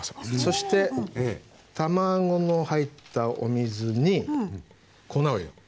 そして卵の入ったお水に粉を入れる。